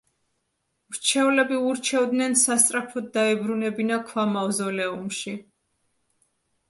მრჩევლები ურჩევდნენ სასწრაფოდ დაებრუნებინა ქვა მავზოლეუმში.